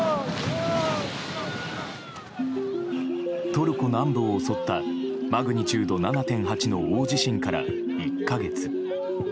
トルコ南部を襲ったマグニチュード７．８の大地震から１か月。